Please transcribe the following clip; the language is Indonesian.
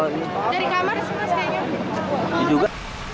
dari kamar semuanya sepertinya